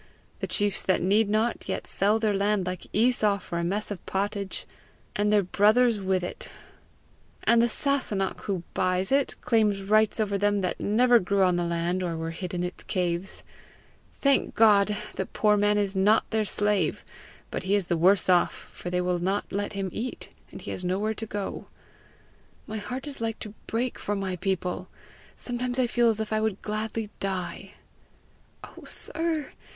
The chiefs that need not, yet sell their land like Esau for a mess of pottage and their brothers with it! And the Sasunnach who buys it, claims rights over them that never grew on the land or were hid in its caves! Thank God, the poor man is not their slave, but he is the worse off, for they will not let him eat, and he has nowhere to go. My heart is like to break for my people. Sometimes I feel as if I would gladly die." "Oh, sir!